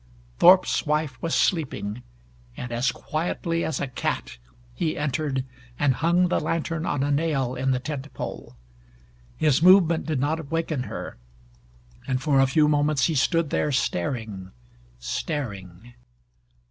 Thorpe's wife was sleeping, and as quietly as a cat he entered and hung the lantern on a nail in the tent pole. His movement did not awaken her, and for a few moments he stood there, staring staring.